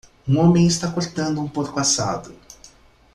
Um homem está cortando um porco assado.